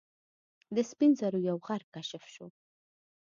د سپین زرو یو غر کشف شو.